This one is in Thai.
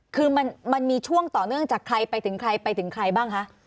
คือมันมีช่วงต่อเนื่องจากใครไปถึงใครไปถึงใครบ้างคะ